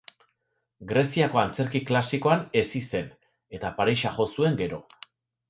Greziako antzerki klasikoan hezi zen, eta Parisa jo zuen gero.